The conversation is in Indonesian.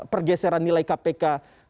pergeseran nilai kpk